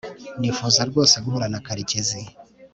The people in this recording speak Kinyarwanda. nifuza rwose guhura na karekezi